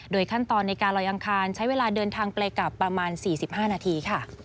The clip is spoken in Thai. ขั้นตอนในการลอยอังคารใช้เวลาเดินทางไปกลับประมาณ๔๕นาทีค่ะ